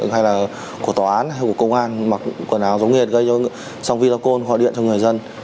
hay là của tòa án hay của công an mặc quần áo giống nghiệt gây cho song vi lạc côn gọi điện cho người dân